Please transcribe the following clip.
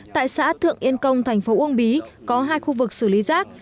tại xã thượng yên công thành phố uông bí có hai khu vực xử lý rác